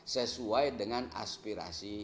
sesuai dengan aspirasi